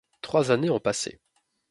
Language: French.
Trois années ont passé.